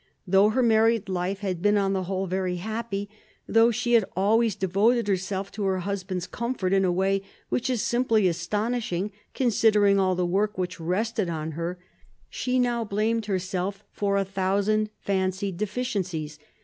Though her married life had been on the whole very happy, though she had always devoted herself to her husband's comfort in a way which is simply astonishing considering all the work which rested on her, she now blamed herself for a thousand fancied deficiencies.